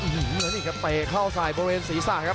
เหมือนอีกครับเปรย์เข้าทรายบริเวณศรีศาสตร์ครับ